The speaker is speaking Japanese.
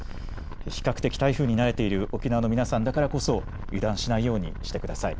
比較的、台風に慣れている沖縄の皆さんだからこそ油断しないようにしてください。